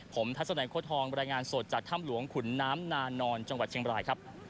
ผมทัศนัยโค้ทองบรรยายงานสดจากถ้ำหลวงขุนน้ำนานอนจังหวัดเชียงบรายครับ